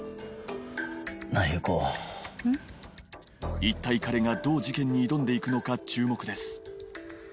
一体彼がどう事件に挑んでいくのか注目です